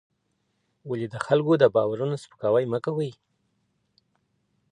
ولې د خلکو د باورونو سپکاوی مه کوې؟